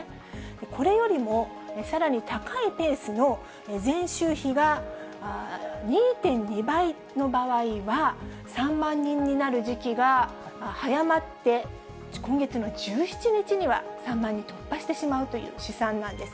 これよりもさらに高いペースの前週比が２．２倍の場合は、３万人になる時期が早まって、今月の１７日には３万人を突破してしまうという試算なんです。